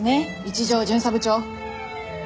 一条巡査部長。